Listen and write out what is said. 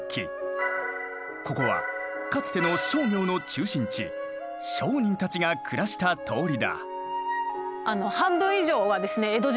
ここはかつての商業の中心地商人たちが暮らした通りだ。